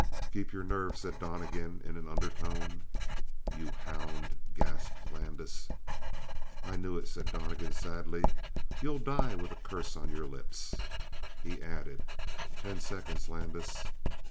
"Keep your nerve," said Donnegan in an undertone. "You hound!" gasped Landis. "I knew it," said Donnegan sadly. "You'll die with a curse on your lips." He added: "Ten seconds, Landis!"